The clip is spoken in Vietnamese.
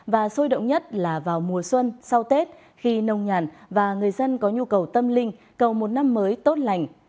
và sôi động nhất là vào mùa xuân sau tết khi nông nhàn và người dân có nhu cầu tâm linh cầu một năm mới tốt lành